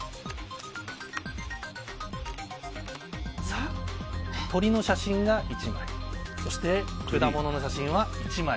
さあ、鳥の写真が１枚そして果物の写真は１枚。